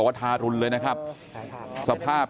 กลุ่มตัวเชียงใหม่